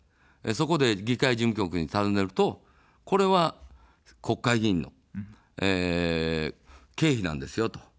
そこで、議会事務局にたずねると、これは、国会議員の経費なんですよと。